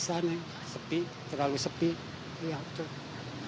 sekarang lagi sepi sepi